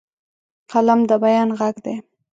قلم د بیان غږ دی